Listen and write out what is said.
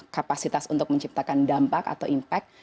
kapasitas untuk menciptakan dampak atau impact